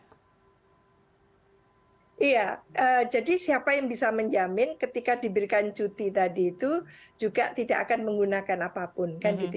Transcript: iya jadi siapa yang bisa menjamin ketika diberikan cuti tadi itu juga tidak akan menggunakan apapun